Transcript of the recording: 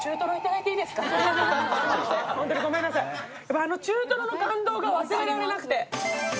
あの中とろの感動が忘れられなくて。